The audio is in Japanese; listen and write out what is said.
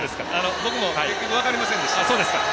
僕も結局分かりませんでした。